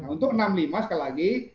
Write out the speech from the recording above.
untuk enam puluh lima sekali lagi